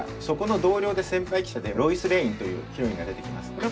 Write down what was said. そこの同僚で先輩記者でロイス・レインというヒロインが出てきます。